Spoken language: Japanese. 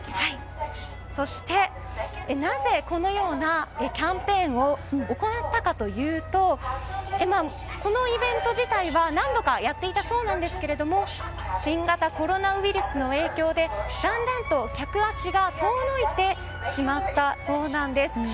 そして、なぜこのようなキャンペーンを行ったかというとこのイベント自体は何度かやっていたそうですが新型コロナウイルスの影響でだんだんと客足が遠のいてしまったそうなんです。